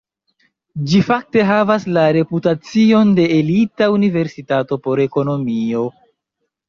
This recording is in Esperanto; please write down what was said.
Ĝi fakte havas la reputacion de elita universitato por ekonomio.